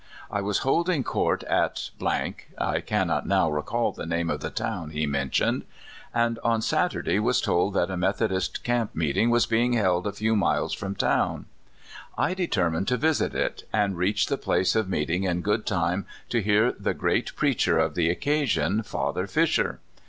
I was holding court at [I can not now recall the name of the town he mentioned], and on Saturday was told that a Methodist camp meeting was being held a few miles from town. I determined to visit it, and reached the place of meeting in good time to hear the great preacher of the occasion Father Fisher.